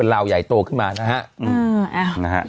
ลาวใหญ่โตขึ้นมานะฮะ